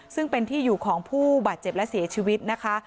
ซึ่งเป็นที่อยู่ของผู้บาดเจ็บและเสียชีวิตนะคะ